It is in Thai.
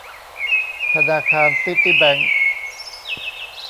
ธนาคารซิตี้แบงค์